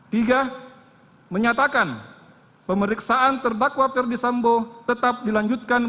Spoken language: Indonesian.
tiga menyatakan pemeriksaan terdakwa ferdisambo tetap dilanjutkan